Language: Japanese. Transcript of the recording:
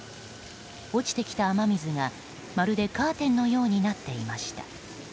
落ちてきた雨水が、まるでカーテンのようになっていました。